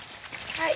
はい。